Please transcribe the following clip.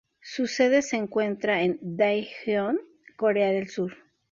Su sede se encuentra en Daejeon, Corea del Sur.